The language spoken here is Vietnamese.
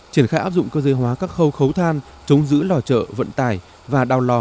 triển khai áp dụng cơ dây hóa các khâu khấu than chống giữ lò trợ vận tài và đào lò